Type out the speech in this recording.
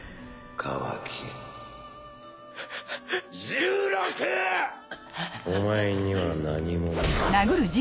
ジゲン：お前には何もない。